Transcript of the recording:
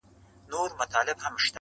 داسي شرط زموږ په نصیب دی رسېدلی،